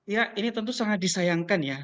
ya ini tentu sangat disayangkan ya